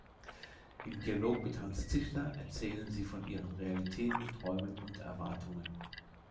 Im Dialog mit Hanns Zischler erzählen sie von ihren Realitäten, Träumen und Erwartungen.